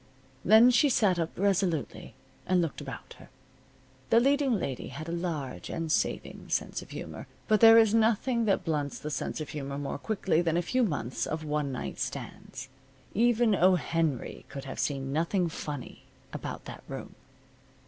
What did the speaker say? Then she sat up resolutely, and looked about her. The leading lady had a large and saving sense of humor. But there is nothing that blunts the sense of humor more quickly than a few months of one night stands. Even O. Henry could have seen nothing funny about that room.